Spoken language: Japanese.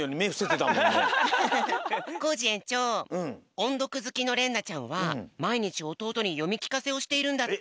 おんどくずきのれんなちゃんはまいにちおとうとによみきかせをしているんだって。